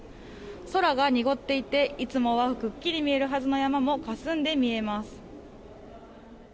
空が濁っていて、いつもはくっきり見えるはずの山もかすんで見えます。